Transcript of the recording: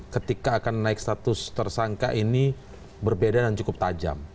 ketika akan naik status tersangka ini berbeda dan cukup tajam